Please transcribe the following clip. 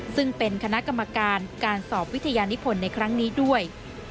ซึ่งเป็นคณะกรรมการการสอบวิทยานิพลในครั้งนี้ด้วย